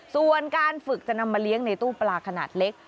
ส่วนการฝึกจะนำมาเลี้ยงในตู้ปลาขนาดเล็ก